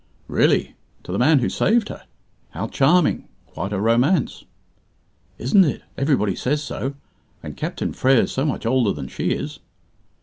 "Really! To the man who saved her. How charming quite a romance!" "Isn't it? Everybody says so. And Captain Frere's so much older than she is."